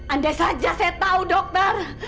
andai saja saya tahu dokter